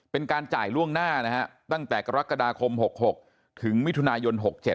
เป็นการจ่ายล่วงหน้านะฮะตั้งแต่กรกฎาคม๖๖ถึงมิถุนายน๖๗